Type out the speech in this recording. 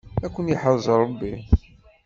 Ad ken-yeḥrez Ṛebbi.